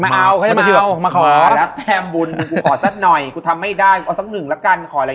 มาเอาก็จะมาเอามาขอมาเอาแล้วแต้มบุญี่ยงกุขอสักหน่อยกุทำไม่ได้กุเอาสักหนึ่งวันนั้นดูก็ทำบุญ